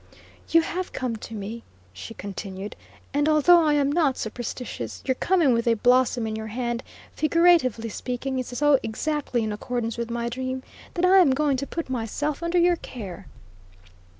"You have come to me," she continued, "and although I am not superstitious, your coming with a blossom in your hand, figuratively speaking, is so exactly in accordance with my dream, that I am going to put myself under your care."